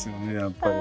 やっぱり。